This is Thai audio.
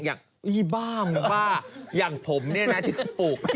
บ้าเหมือนกว่าอย่างผมเนี่ยนะที่เขาปลูก